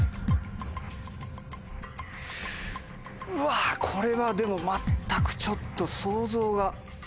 うわこれはでも全くちょっと想像が。